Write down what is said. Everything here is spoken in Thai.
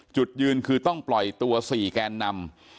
จุดยืนคือต้องปล่อยตัว๔แกนนำ